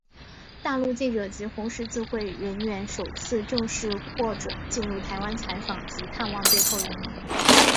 大陆记者及红十字会人员首次正式获准进入台湾采访及探望被扣渔民。